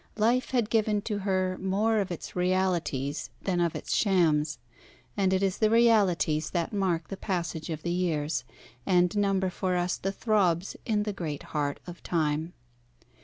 Life had given to her more of its realities than of its shams; and it is the realities that mark the passage of the years, and number for us the throbs in the great heart of time.